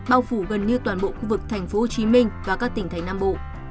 bao phủ gần như toàn bộ khu vực thành phố hồ chí minh và các tỉnh thái nam bộ